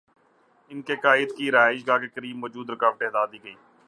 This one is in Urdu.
ان کے قائد کی رہائش گاہ کے قریب موجود رکاوٹیں ہٹا دی گئیں۔